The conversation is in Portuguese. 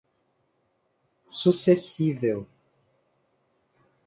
sucessível